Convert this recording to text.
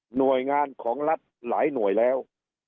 หน่วยงานของรัฐหลายหน่วยแล้ว